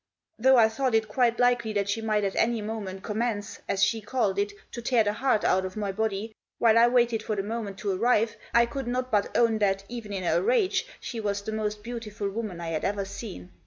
Though I thought it quite likely that she might at any moment commence, as she called it, to tear the heart out of my body, while I waited for the moment to arrive I could not but own that, even in her rage, she was the most beautiful woman I had ever seen.